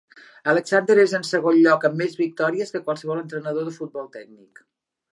Alexander és en segon lloc amb més victòries que qualsevol entrenador de futbol tècnic.